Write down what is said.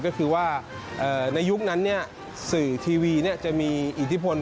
ก็คือว่าในยุคนั้นสื่อทีวีจะมีอิทธิพล